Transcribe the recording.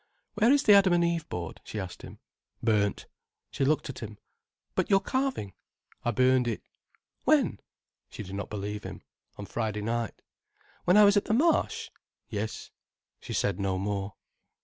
"Where is the Adam and Eve board?" she asked him. "Burnt." She looked at him. "But your carving?" "I burned it." "When?" She did not believe him. "On Friday night." "When I was at the Marsh?" "Yes." She said no more.